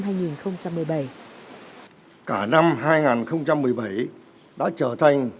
cả năm hai nghìn một mươi bảy đã trở thành ngày hợp báo chủ tịch nước trần đại quang nhấn mạnh